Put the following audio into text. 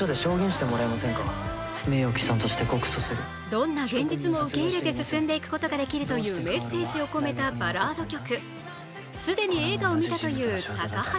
どんな現実も受け入れて進んでいくことができるというメッセージを込めたバラード曲。